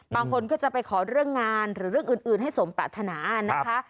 บางคนก็จะไปขอเรื่องงานหรือเรื่องอื่นให้สมปรารถนานะคะ